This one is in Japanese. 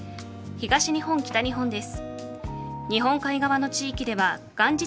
東日本、北日本です。